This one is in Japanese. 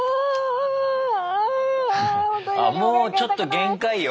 あもうちょっと限界よ